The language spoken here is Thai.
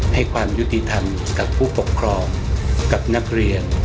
ให้ความยุติธรรมกับผู้ปกครองกับนักเรียน